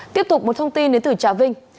tiếp tục một thông tin đến từ trà vinh